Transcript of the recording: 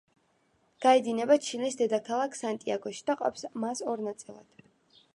გაედინება ჩილეს დედაქალაქ სანტიაგოში და ყოფს მას ორ ნაწილად.